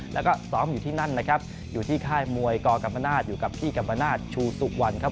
แล้วก็ซ้อมอยู่ที่นั่นนะครับอยู่ที่ค่ายมวยกกรรมนาศอยู่กับพี่กรรมนาศชูสุวรรณครับ